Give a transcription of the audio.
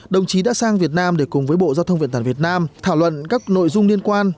đồng chí đã sang việt nam để cùng với bộ giao thông vận tải việt nam thảo luận các nội dung liên quan